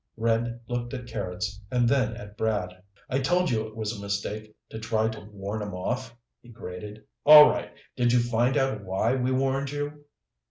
Red looked at Carrots and then at Brad. "I told you it was a mistake to try to warn 'em off," he grated. "All right. Did you find out why we warned you?"